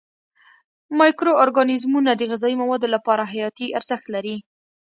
مایکرو ارګانیزمونه د غذایي موادو لپاره حیاتي ارزښت لري.